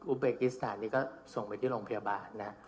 อุเบคอิสตานีก็ส่งไปที่โรงพยาบาลนะครับ